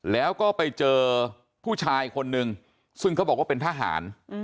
แล้วก็ไปเจอผู้ชายคนนึงซึ่งเขาบอกว่าเป็นทหาร